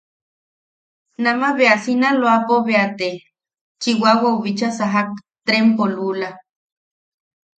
Nama bea Sinaloapo bea te. Chiwawau bicha sajak trempo lula.